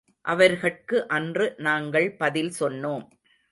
அவர்கட்கு அன்று நாங்கள் பதில் சொன்னோம்.